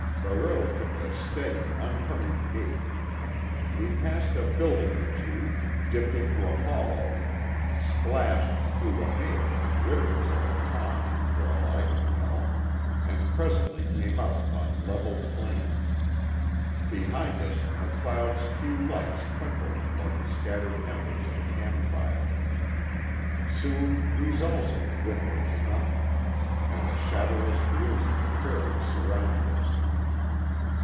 Barreau kept a steady unhurried gait. We passed a building or two, dipped into a hollow, splashed through what may have been a river or a pond, for all I could tell, and presently came out upon level plain. Behind us MacLeod's few lights twinkled like the scattered embers of a campfire. Soon these also dwindled to nothing, and the shadowless gloom of the prairies surrounded us.